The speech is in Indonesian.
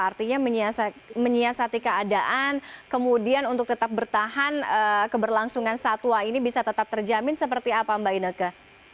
artinya menyiasati keadaan kemudian untuk tetap bertahan keberlangsungan satwa ini bisa tetap terjamin seperti apa mbak ineke